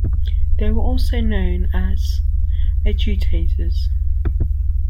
They were also known as "adjutators".